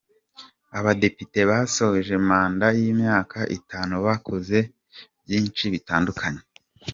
Abadepite basoje manda y’imyaka itanu bakoze byinshi bitandukanye.